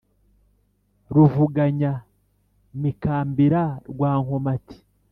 ruvuganya-mikambira rwa nkomati